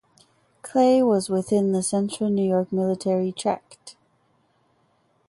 Clay was within the Central New York Military Tract.